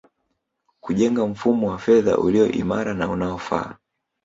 Kujenga mfumo wa fedha ulio imara na unaofaa